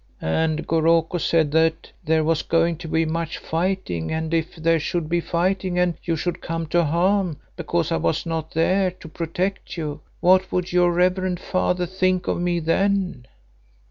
"And Goroko said that there was going to be much fighting and if there should be fighting and you should come to harm because I was not there to protect you, what would your reverend father think of me then?"